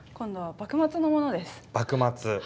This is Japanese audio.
幕末。